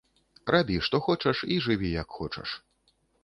Рабі што хочаш і жыві як хочаш.